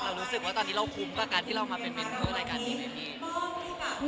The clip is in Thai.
รู้สึกว่าตอนนี้เราคุ้มกับการที่เรามาเป็นเมนเตอร์รายการนี้ไหมพี่